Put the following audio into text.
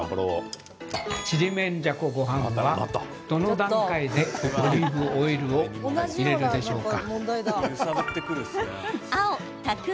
ちりめんじゃこごはんはどの段階で、オリーブオイルを入れるでしょうか。